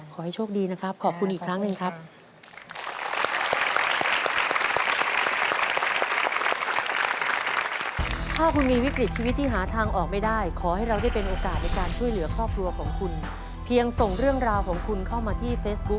ขอให้โชคดีนะครับขอบคุณอีกครั้งหนึ่งครับ